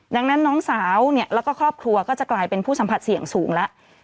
ดังนั้นน้องสาวเนี่ยแล้วก็ครอบครัวก็จะกลายเป็นผู้สัมผัสเสี่ยงสูงแล้ว